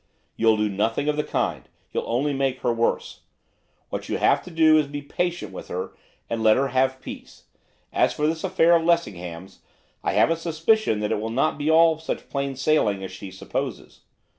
'You'll do nothing of the kind, you'll only make her worse. What you have to do is to be patient with her, and let her have peace. As for this affair of Lessingham's, I have a suspicion that it may not be all such plain sailing as she supposes.